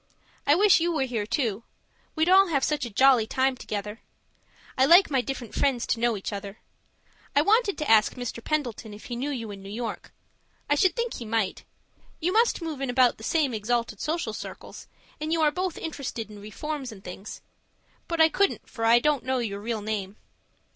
I wish you were here, too; we'd all have such a jolly time together. I like my different friends to know each other. I wanted to ask Mr. Pendleton if he knew you in New York I should think he might; you must move in about the same exalted social circles, and you are both interested in reforms and things but I couldn't, for I don't know your real name.